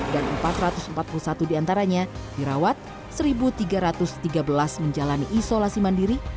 dan empat ratus empat puluh satu di antaranya dirawat satu tiga ratus tiga belas menjalani isolasi mandiri